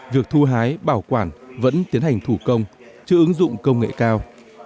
việc thu hái bảo quản vẫn tiến hành thủ công chứ ứng dụng công nghệ cao